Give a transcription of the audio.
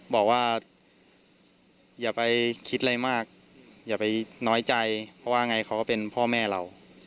บอกว่าอย่าไปคิดอะไรมากอย่าไปน้อยใจเพราะว่าไงเขาก็เป็นพ่อแม่เรา